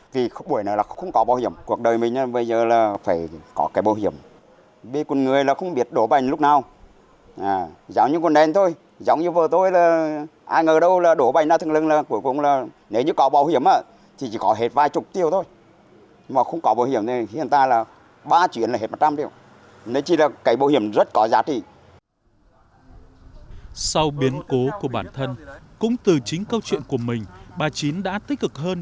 sau biến cố của bản thân cũng từ chính câu chuyện của mình bà chín đã tích cực hơn